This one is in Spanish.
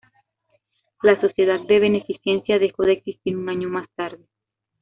La Sociedad de Beneficencia dejó de existir un año más tarde.